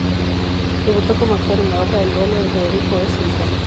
Debutó como actor en la obra "El duelo" de Federico S. Inclán.